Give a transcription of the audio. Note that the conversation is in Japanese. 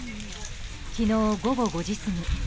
昨日午後５時過ぎ